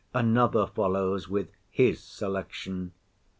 Another follows with his selection.